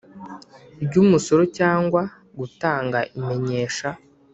Ry umusoro cyangwa gutanga imenyesha